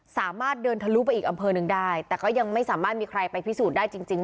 สามารถเดินทะลุไปอีกอำเภอหนึ่งได้แต่ก็ยังไม่สามารถมีใครไปพิสูจน์ได้จริงจริง